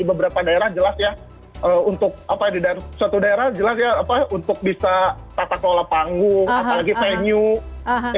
beberapa daerah jelas ya untuk apa di dalam suatu daerah jelas ya apa untuk bisa tata kelola panggung apalagi venue